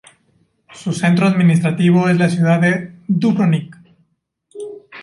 Su centro administrativo es la ciudad de Dubrovnik.